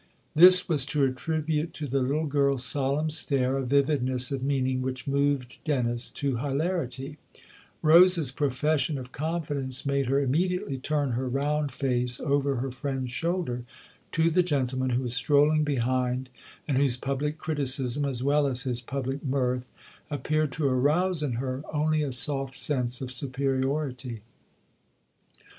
" This was to attribute to the little girl's solemn stare a vividness of mean ing which moved Dennis to hilarity; Rose's pro fession of confidence made her immediately turn her round face over her friend's shoulder to the gentleman who was strolling behind and whose public criticism, as well as his public mirth, appeared to arouse in her only a soft sense of superiority.